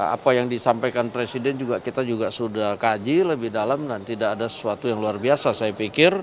apa yang disampaikan presiden kita juga sudah kaji lebih dalam dan tidak ada sesuatu yang luar biasa saya pikir